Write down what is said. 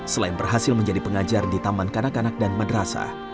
selain berhasil menjadi pengajar di taman kanak kanak dan madrasah